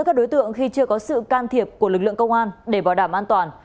các đối tượng khi chưa có sự can thiệp của lực lượng công an để bảo đảm an toàn